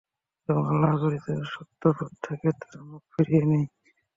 এবং আল্লাহ প্রেরিত সত্যপথ থেকে তারা মুখ ফিরিয়ে নেয়।